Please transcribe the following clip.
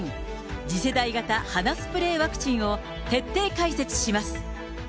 次世代型鼻スプレーワクチンを徹底解説します。